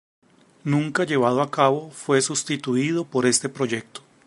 Nunca llevado a cabo, fue sustituido por este proyecto.